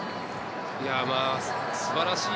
素晴らしい。